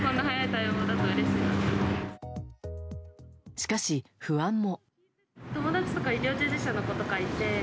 しかし、不安も。